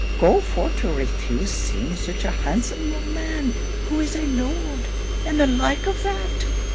go for to refuse seeing such an handsome young man, who is a Lord, and the like of that?